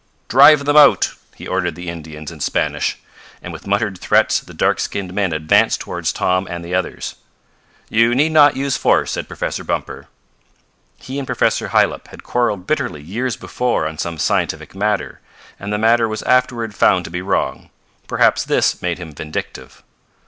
"Drive them out!" he ordered the Indians in Spanish, and with muttered threats the dark skinned men advanced toward Tom and the others. "You need not use force," said Professor Bumper. He and Professor Hylop had quarreled bitterly years before on some scientific matter, and the matter was afterward found to be wrong. Perhaps this made him vindictive.